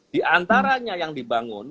di antaranya yang dibangun